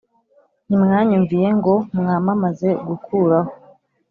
Ntimwanyumviye ngo mwamamaze gukuraho